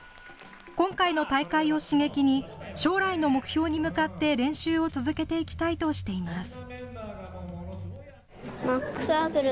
今回の大会を刺激に将来の目標に向かって練習を続けていきたいとしています。